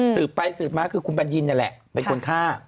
สืบไปสืบมาคือคุณบัญญินนั่นแหละเป็นคนฆ่า